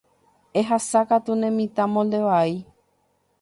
Ehasákatu ne mitã molde vai.